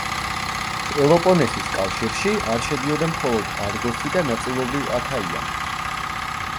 პელოპონესის კავშირში არ შედიოდა მხოლოდ არგოსი და ნაწილობრივ აქაია.